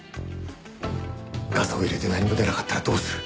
ガサを入れて何も出なかったらどうする？